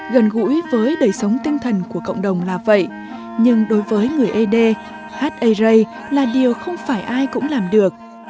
gần gũi với đời sống tinh thần của cộng đồng là vậy nhưng đối với người ế đê hát ây rây là điều không phải ai cũng làm được